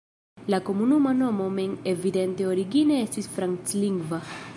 La komunuma nomo mem evidente origine estis franclingva.